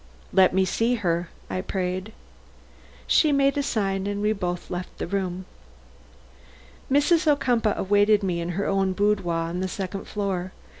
"Let me see her," I prayed. She made a sign and we both left the room. Mrs. Ocumpaugh awaited me in her own boudoir on the second floor.